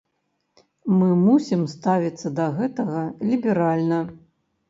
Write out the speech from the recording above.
Мы мусім ставіцца да гэтага ліберальна.